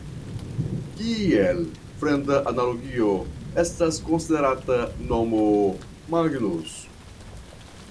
Kiel fremda analogio estas konsiderata nomo "Magnus".